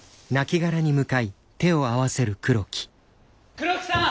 ・黒木さん！